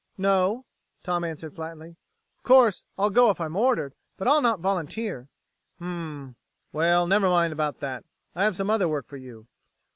"No," Tom answered flatly. "Of course, I'll go if I'm ordered, but I'll not volunteer." "Hm m m ... well, never mind about that. I have some other work for you."